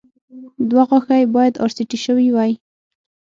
دوه غاښه يې باید ار سي ټي شوي وای